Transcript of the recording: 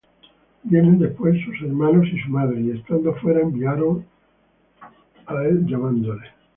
Vienen después sus hermanos y su madre, y estando fuera, enviaron á él llamándole.